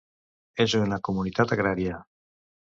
És una comunitat agrària.